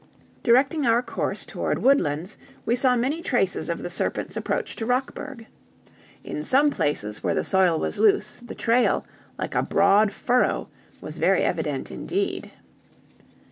Directing our course toward Woodlands, we saw many traces of the serpent's approach to Rockburg. In some places, where the soil was loose, the trail, like a broad furrow, was very evident indeed.